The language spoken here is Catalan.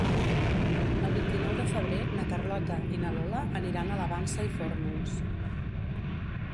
El vint-i-nou de febrer na Carlota i na Lola aniran a la Vansa i Fórnols.